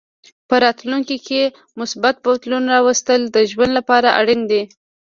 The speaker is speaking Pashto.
په راتلونکې کې مثبت بدلون راوستل د ژوند لپاره اړین دي.